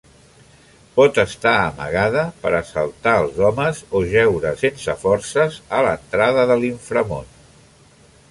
Pot estar amagada per assaltar els homes o jeure sense forces a l'entrada de l'inframón.